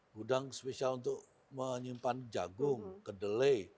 gudang spesial untuk menyimpan jagung kedelai